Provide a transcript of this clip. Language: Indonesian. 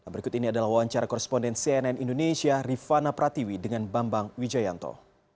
berikut ini adalah wawancara koresponden cnn indonesia rifana pratiwi dengan bambang wijayanto